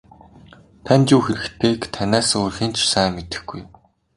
Танд юу хэрэгтэйг танаас өөр хэн ч сайн мэдэхгүй.